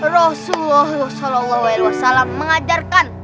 rasulullah sallallahu alaihi wasallam mengajarkan